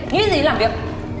nghĩ gì làm việc